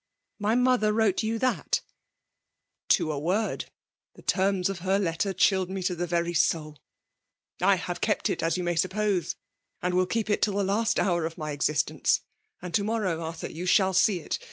" My mother wrdte you thai ?" To a word ! The terms of her letter chilled me to the very soul! I have kept it as you may suppose, and will keep it till the last hour of my existence; and to morrow, Arthur, you shall see it.